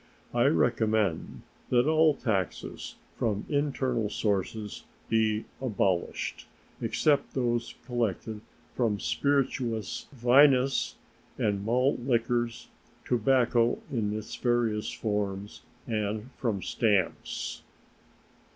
I recommend that all taxes from internal sources be abolished, except those collected from spirituous, vinous, and malt liquors, tobacco in its various forms, and from stamps.